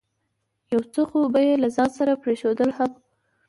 یو څه خو به یې له ځانه سره پرېښودل هم.